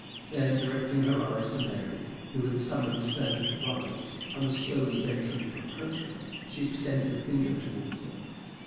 Then directing her eyes to Mary, who had summoned strength to rise, and was slowly venturing to approach her, she extended a finger towards her.